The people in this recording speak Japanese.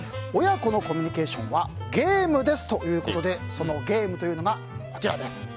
親子のコミュニケーションはゲームですということでそのゲームというのがこちらです。